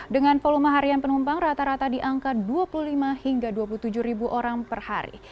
dengan volume harian penumpang rata rata di angka dua puluh lima hingga dua puluh tujuh ribu orang per hari